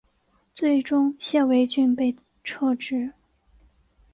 最终谢维俊被撤职。